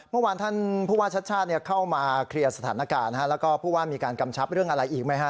เมื่อวานท่านผู้ว่าชาติชาติเข้ามาเคลียร์สถานการณ์แล้วก็ผู้ว่ามีการกำชับเรื่องอะไรอีกไหมฮะ